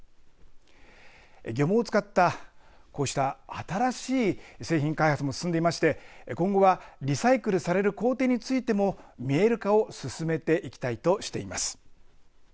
漁網を使ったこうした新しい製品開発も進んでいまして今後はリサイクルされる工程についても見える化を進めていきたいとしています。